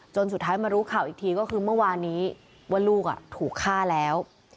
สุดท้ายมารู้ข่าวอีกทีก็คือเมื่อวานนี้ว่าลูกถูกฆ่าแล้ว